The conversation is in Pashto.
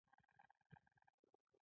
د کرونا واکسین وکړم؟